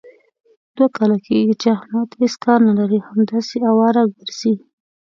دوه کاله کېږي، چې احمد هېڅ کار نه لري. همداسې اواره ګرځي.